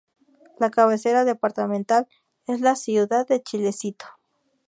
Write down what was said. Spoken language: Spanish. La cabecera departamental es la ciudad de Chilecito.